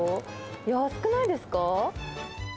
安くないですか？